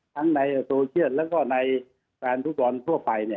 ในโซเชียลแล้วก็ในแฟนฟุตบอลทั่วไป